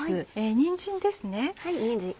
にんじんですね。